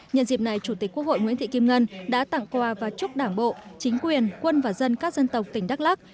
nhân dịp này chủ tịch quốc hội nguyễn thị kim ngân đã tặng quà và chúc đảng bộ chính quyền quân và dân các dân tộc tỉnh đắk lắc